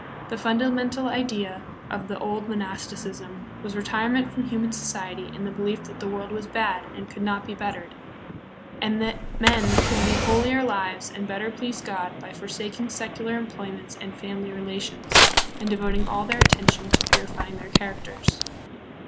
The fundamental idea of the old mo nasticism was retirement from human society in the belief that the world was bad and could not be bettered, and 120 THE PHILIPPINES. that men could lead holier lives and better please God by forsaking secular employments and family relations, and devoting all their attention to purifying their characters.